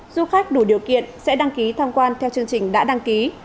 du khách sẽ đăng ký tham quan theo chương trình đã đăng ký